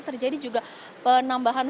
terjadi juga penambahan